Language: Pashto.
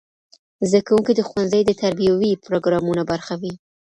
زدهکوونکي د ښوونځي د تربیوي پروګرامونو برخه وي.